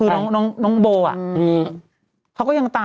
มันเหมือนอ่ะ